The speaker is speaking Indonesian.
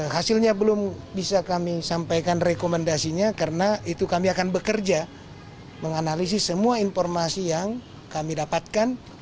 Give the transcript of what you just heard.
hasilnya belum bisa kami sampaikan rekomendasinya karena itu kami akan bekerja menganalisis semua informasi yang kami dapatkan